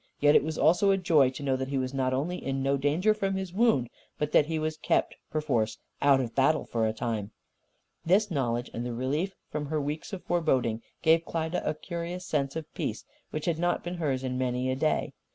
Yet it was also a joy to know that he was not only in no danger from his wound, but that he was kept, perforce, out of battle, for a time. This knowledge, and the relief from her weeks of foreboding, gave Klyda a curious sense of peace which had not been hers in many a day.